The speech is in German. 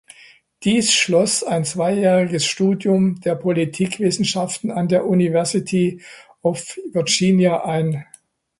Dies schloss ein zweijähriges Studium der Politikwissenschaften an der University of Virginia ein.